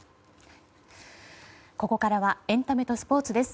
ここからはエンタメのスポーツです。